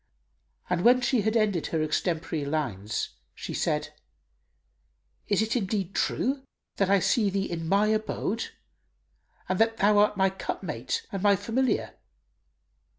And when she had ended her extempore lines she said, "Is it indeed true that I see thee in my abode and that thou art my cup mate and my familiar?"